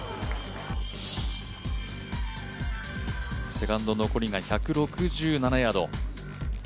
セカンド、残りが１６７ヤード。